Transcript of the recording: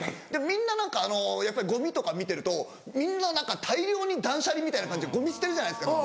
みんな何かゴミとか見てると大量に断捨離みたいな感じでゴミ捨てるじゃないですか